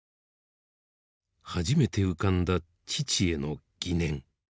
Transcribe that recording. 初めて浮かんだ父への疑念。